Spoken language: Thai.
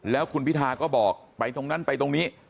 แล้วคุณพิธาก็บอกไปตรงนั้นไปตรงนี้